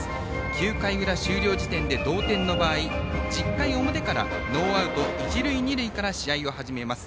９回裏終了時点で同点の場合１０回表からノーアウト、一塁二塁から試合を始めます。